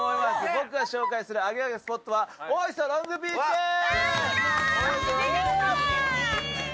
僕が紹介するアゲアゲスポットは大磯ロングビーチでーす！